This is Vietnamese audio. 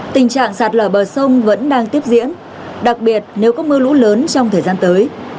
tình trạng sạt lở bờ sông vẫn đang tiếp diễn đặc biệt nếu có mưa lũ lớn trong thời gian tới